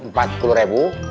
empat puluh ribu